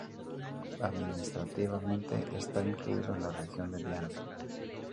Administrativamente está incluido en la Región de Diana.